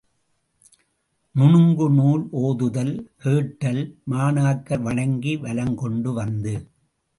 நுணங்கு நூல் ஓதுதல் கேட்டல் மாணாக்கர் வணங்கி வலங் கொண்டு வந்து.